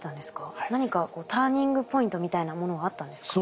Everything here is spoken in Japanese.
何かターニングポイントみたいなものはあったんですか？